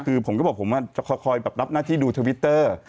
คือผมก็บอกผมจะคอยแบบรับหน้าที่ดูทวิตเตอร์